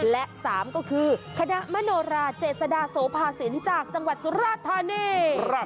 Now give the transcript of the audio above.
และ๓ก็คือคณะมโนราเจษฎาโสภาศิลป์จากจังหวัดสุราธานี